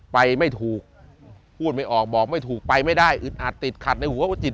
ไปไม่ถูกพูดไม่ออกบอกไม่ถูกไปไม่ได้อึดอัดติดขัดในหัวหัวจิต